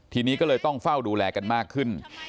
ทีนี้ก็เลยต้องเฝ้าดูแลกันมากขึ้น